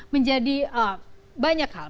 menjadi banyak hal